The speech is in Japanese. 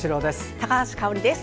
高橋香央里です。